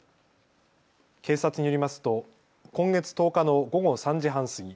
警察によりますと今月１０日の午後３時半過ぎ